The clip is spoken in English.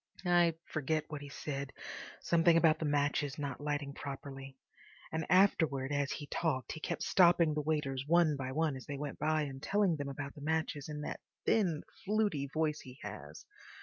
I forget what he said—something about the matches not lighting properly, and afterwards as he talked he kept stopping the waiters one by one as they went by, and telling them about the matches in that thin, fluty voice he has.